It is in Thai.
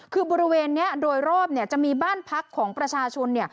คือบริเวณนี้โดยรอบจะมีบ้านพักของประชาชน